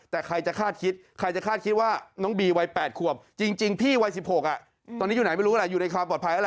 แต่จะไม่หนักเท่าน้องบีอีบ